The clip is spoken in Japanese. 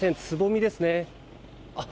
つぼみですね。